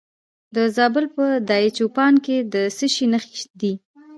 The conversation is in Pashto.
د زابل په دایچوپان کې د څه شي نښې دي؟